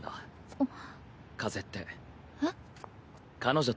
あっ。